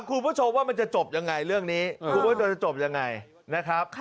คุณผู้ชมว่ามันจะจบยังไงเรื่องนี้คุณผู้ชมจะจบยังไงนะครับ